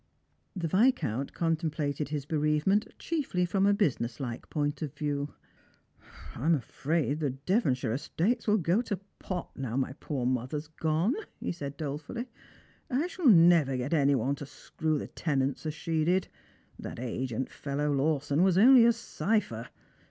The Viscount contemplated his bereavement chiefly from a business like point of view. "I am afniicl the Devonshire estates will go to pot now my poor mother's gone," he said dolefully. " I shall never get any one to screw the tenants as she did. That agent fellow, Lawson, was only a cipher.